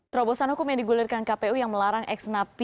terobosan hukum yang digulirkan kpu yang melarang eksenapi